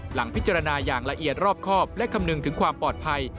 หลังพิจารณาอย่างละเอียดรอบครอบและคำนึงถึงความปลอดภัย